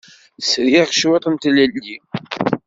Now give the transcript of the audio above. Sriɣ cwiṭ n tlelli.